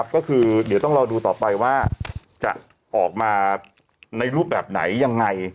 ก็คือเดี๋ยวต้องรอดูต่อไปว่าจะออกมาในรูปแบบไหนยังไง